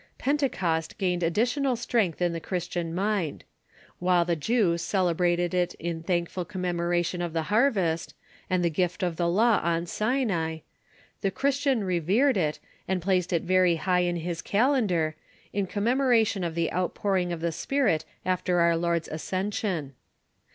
Pentecost gained additional strength in the Christian mind. While the Jew celebrated it in thank ful commemoration of the harvest, and the gift of the Law on Sinai, the Christian revered it, and placed it very high in his calendar, in commemoration of the outpouring of the Spirit after our Lord's ascension.